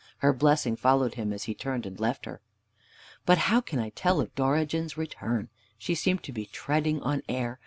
Her blessing followed him as he turned and left her. But how can I tell of Dorigen's return? She seemed to be treading on air.